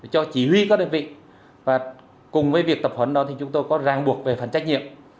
cho chỉ huy các đơn vị và cùng với việc tập huấn đó thì chúng tôi có ràng buộc về phần trách nhiệm